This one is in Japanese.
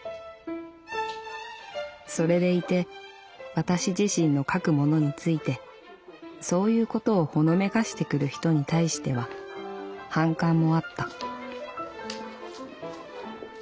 それでいて私自身の書くものについてそういうことを仄めかしてくる人に対しては反感もあった」。